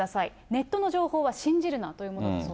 ネットの情報は信じるなというものだそうです。